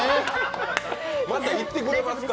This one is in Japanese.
また行ってくれますか？